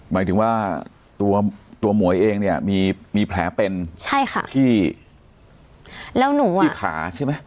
หมายถึงว่าตัวตัวหมวยเองเนี่ยมีมีแผลเป็นใช่ค่ะที่แล้วหนูอ่ะที่ขาใช่ไหม